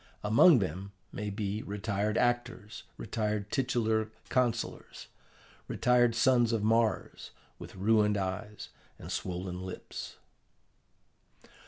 Among them may be retired actors, retired titular councillors, retired sons of Mars, with ruined eyes and swollen lips.